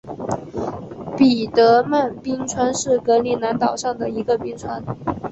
彼得曼冰川是格陵兰岛上的一个冰川。